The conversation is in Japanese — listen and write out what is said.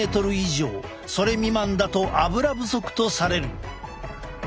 それ未満だとアブラ不足とされる。